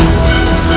itu udah gila